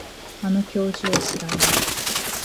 あの教授を知らない